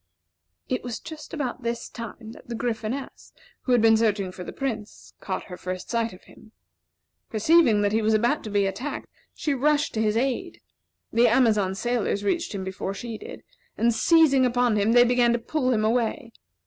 It was just about this time that the Gryphoness, who had been searching for the Prince, caught her first sight of him. Perceiving that he was about to be attacked, she rushed to his aid. The Amazon sailors reached him before she did, and seizing upon him they began to pull him away.